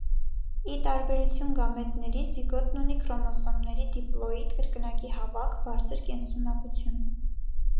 Ի տարբերություն գամետների զիգոտն ունի քրոմոսոմների դիպլոիդ (կրկնակի) հավաք, բարձր կենսունակություն։